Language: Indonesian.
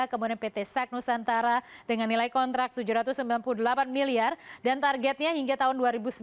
kemudian pt sek nusantara dengan nilai kontrak rp tujuh ratus sembilan puluh delapan miliar dan targetnya hingga tahun dua ribu sembilan belas